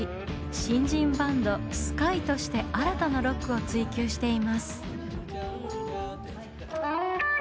新人バンドＳＫＹＥとして新たなロックを追究しています。